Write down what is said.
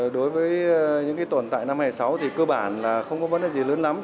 đối với những tồn tại năm hai nghìn sáu thì cơ bản là không có vấn đề gì lớn lắm